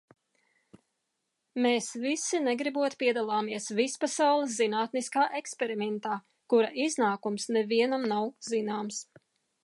Mēs visi negribot piedalāmies vispasaules zinātniskā eksperimentā, kura iznākums nevienam nav zināms.